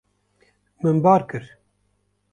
Min bar kir.